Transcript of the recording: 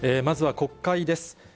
まずは国会です。